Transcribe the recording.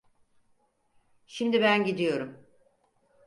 Şimdi ben gidiyorum.